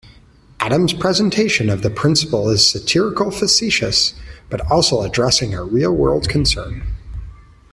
Adams' presentation of the principle is satirical-facetious but also addressing a real-world concern.